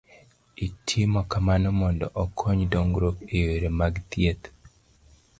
Itimo kamano mondo okony dongruok e yore mag thieth